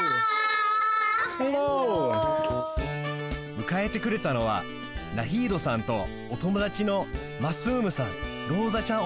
むかえてくれたのはナヒードさんとおともだちのマスームさんローザちゃん